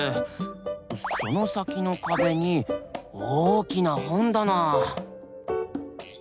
その先の壁に大きな本棚！